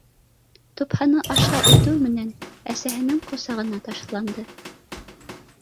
Тупһаны аша үтеү менән, әсәһенең ҡосағына ташланды